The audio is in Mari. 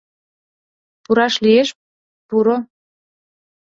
«Пураш лиеш?» «Пуро».